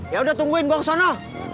ya udah tungguin gue kesana